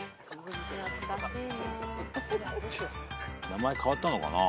名前変わったのかな？